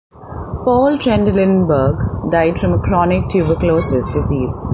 Paul Trendelenburg died from a “chronic tuberculosis disease”.